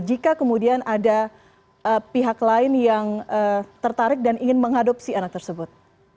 jika kemudian ada pihak lain yang tertarik dan ingin mengadopsi anak tersebut